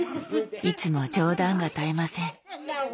いつも冗談が絶えません。